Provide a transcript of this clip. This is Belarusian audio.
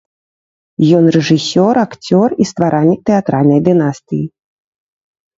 Ён рэжысёр, акцёр і стваральнік тэатральнай дынастыі.